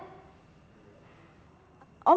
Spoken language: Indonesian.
aku mau jagain kamu